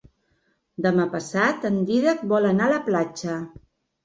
Demà passat en Dídac vol anar a la platja.